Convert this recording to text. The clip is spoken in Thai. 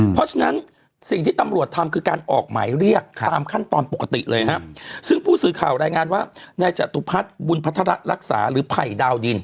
เพราะฉะนั้นสิ่งที่ตำรวจทำคือการออกหมายเรียกตามขั้นตอนปกติเลยฮะซึ่งผู้สื่อข่าวรายงานว่านายจตุพัฒน์บุญพัฒระรักษาหรือไผ่ดาวดิน